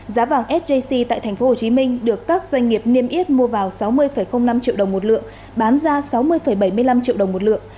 giá vàng sjc tại tp hcm được các doanh nghiệp niêm yết mua vào sáu mươi năm triệu đồng một lượng bán ra sáu mươi bảy mươi năm triệu đồng một lượng